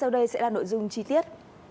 đây sẽ là nội dung chi tiết